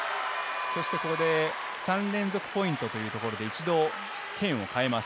ここで３連続ポイントというところで一度、剣を変えます。